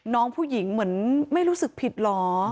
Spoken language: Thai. น้องผู้หญิงเหมือนไม่รู้สึกผิดเหรอ